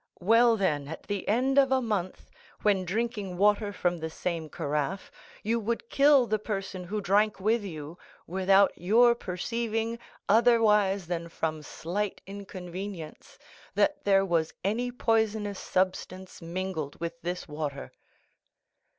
Well, then, at the end of a month, when drinking water from the same carafe, you would kill the person who drank with you, without your perceiving, otherwise than from slight inconvenience, that there was any poisonous substance mingled with this water."